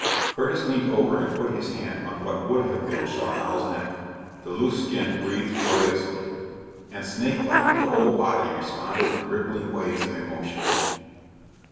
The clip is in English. Curtis leaned over and put his hand on what would have been Schaughtowl's neck. The loose skin writhed joyously, and, snakelike, the whole body responded in rippling waves of emotion.